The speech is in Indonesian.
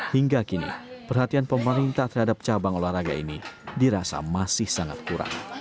hingga kini perhatian pemerintah terhadap cabang olahraga ini dirasa masih sangat kurang